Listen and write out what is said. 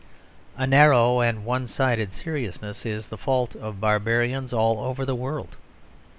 A narrow and one sided seriousness is the fault of barbarians all over the world.